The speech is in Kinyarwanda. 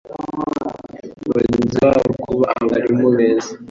bagenzi babo kuba abarimu beza